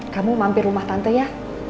kamu mampir rumah tante ya